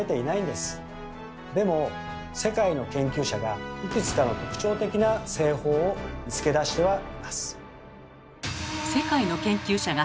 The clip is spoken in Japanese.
でも世界の研究者がいくつかの特徴的な製法を見つけ出してはいます。